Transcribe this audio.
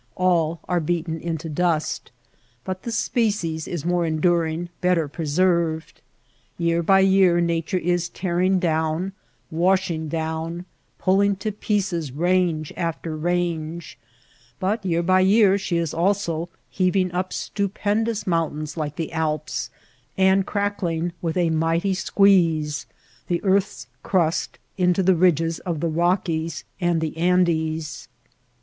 All are beaten into dust. But the species is more enduring, better preserved. Year by year Nature is tearing down, washing down, pulling to pieces range after range ; but year by year she is also heaving up stupendous mountains " like the Alps, and crackling with a mighty squeeze the earth's crust into the ridges of the Eockies and the Andes.